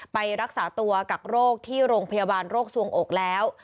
ไปรักษาตัวกักโรคที่โรงพยาบาลโรคสวงอกแล้ว